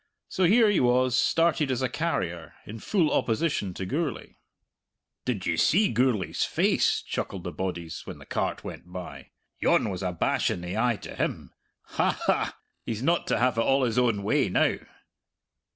So here he was, started as a carrier, in full opposition to Gourlay. "Did you see Gourlay's face?" chuckled the bodies when the cart went by. "Yon was a bash in the eye to him. Ha, ha! he's not to have it all his own way now!"